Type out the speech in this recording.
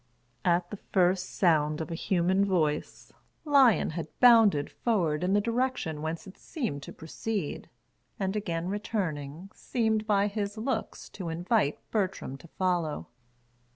At the first sound of a human voice, Lion had bounded forward in the direction whence it seemed to proceed, and again returning, seemed by his looks to invite Bertram to follow.